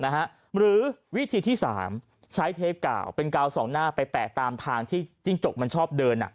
หรือวิธีที่๓ใช้เทปเก่าเป็นกาวสองหน้าไปแปะตามทางที่จิ้งจกมันชอบเดิน